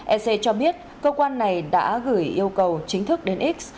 ec cho biết cơ quan này đã gửi yêu cầu chính thức đến x